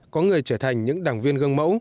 có người trở thành những đảng viên gương mẫu